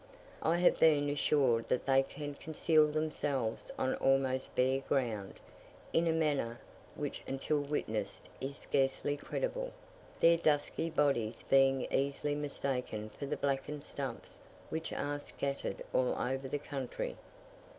I have been assured that they can conceal themselves on almost bare ground, in a manner which until witnessed is scarcely credible; their dusky bodies being easily mistaken for the blackened stumps which are scattered all over the country.